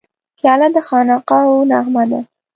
پیاله د خانقاهو نغمه ده.